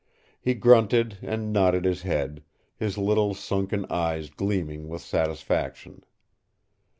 He grunted and nodded his head, his little sunken eyes gleaming with satisfaction.